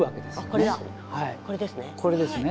これですね。